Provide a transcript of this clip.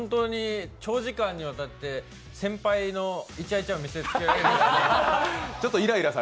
長時間にわたって先輩のいちゃいちゃを見せつけられたなと。